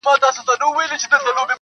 یو څه یاران یو څه غونچې ووینو-